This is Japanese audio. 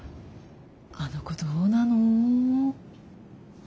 あの子どうなの？